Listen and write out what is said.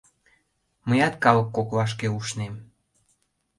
Мыят калык коклашке ушнем.